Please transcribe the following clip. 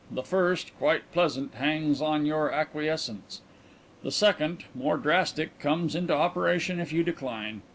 The first, quite pleasant, hangs on your acquiescence. The second, more drastic, comes into operation if you decline.